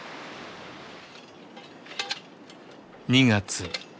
２月。